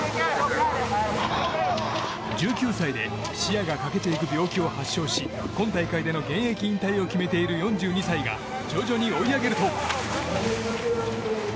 １９歳で視野が欠けていく病気を発症し今大会での現役引退を決めている４２歳が徐々に追い上げると。